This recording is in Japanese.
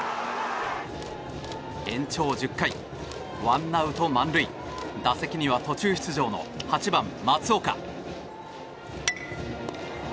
延長１０回、１アウト満塁打席には途中出場の８番、松岡。